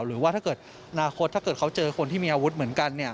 หรือว่าถ้าเกิดอนาคตถ้าเกิดเขาเจอคนที่มีอาวุธเหมือนกัน